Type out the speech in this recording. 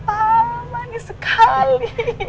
ah manis sekali